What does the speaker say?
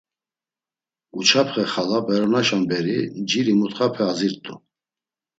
Uçapxe xala, beronaşa beri nciri mutxape azirt̆u.